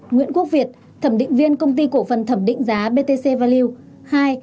nguyễn quốc việt thẩm định viên công ty cổ phần thẩm định giá btc value